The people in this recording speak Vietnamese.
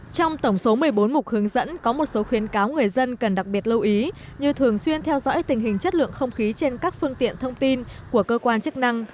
trong tổng số một mươi bốn mục hướng dẫn có một số khuyến cáo người dân cần đặc biệt lưu ý như thường xuyên theo dõi tình hình chất lượng không khí trên các phương tiện thông tin của cơ quan chức năng